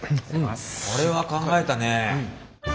これは考えたね。